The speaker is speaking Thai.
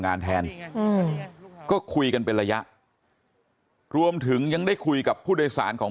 งานแทนอืมก็คุยกันเป็นระยะรวมถึงยังได้คุยกับผู้โดยสารของ